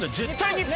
日本！